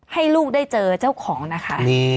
ให้ลูกได้เจอเจ้าของนะคะ